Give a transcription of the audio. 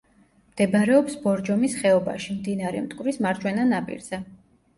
მდებარეობს ბორჯომის ხეობაში, მდინარე მტკვრის მარჯვენა ნაპირზე.